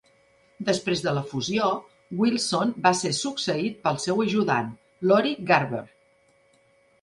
Després de la fusió, Wilson va ser succeït pel seu ajudant, Lori Garver.